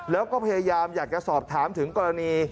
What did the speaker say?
แล้วก็พยายามอยากจะสอบถามถึงกรณี